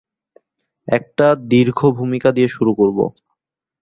একটা দীর্ঘ ভূমিকা দিয়ে শুরু করব।